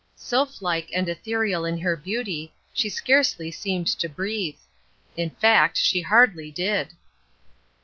Sylph like and ethereal in her beauty, she scarcely seemed to breathe. In fact she hardly did.